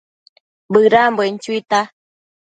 Bëdambuen chuita